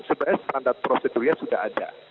sebenarnya standar prosedurnya sudah ada